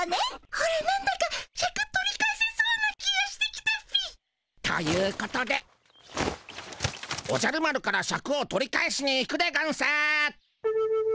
オラなんだかシャク取り返せそうな気がしてきたっピ。ということでおじゃる丸からシャクを取り返しに行くでゴンス。